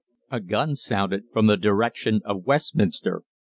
"A gun sounded from the direction of Westminster.